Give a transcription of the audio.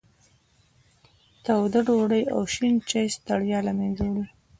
توده ډوډۍ او شین چای ستړیا له منځه وړي.